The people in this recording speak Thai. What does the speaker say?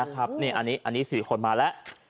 นะครับเนี่ยอันนี้อันนี้๔คนมาแล้ว